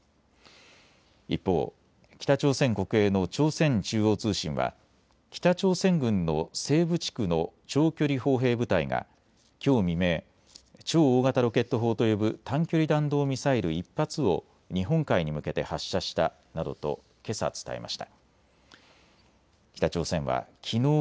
一方、北朝鮮国営の朝鮮中央通信は北朝鮮軍の西部地区の長距離砲兵部隊がきょう未明、超大型ロケット砲と呼ぶ短距離弾道ミサイル１発を日本海に向けて発射したなどとけさ伝えました。